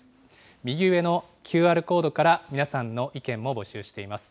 右上のＱＲコードから皆さんの意見も募集しています。